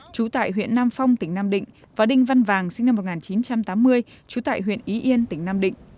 trú tại huyện nam phong tỉnh nam định và đinh văn vàng sinh năm một nghìn chín trăm tám mươi trú tại huyện ý yên tỉnh nam định